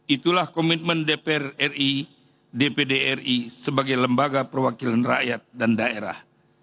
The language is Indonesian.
itulah komitmen dpr ri dpd ri sebagai lembaga perwakilan rakyat dan daerah